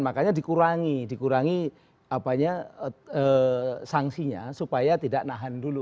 makanya dikurangi dikurangi sanksinya supaya tidak nahan dulu